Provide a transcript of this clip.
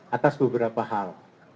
atas beberapa hal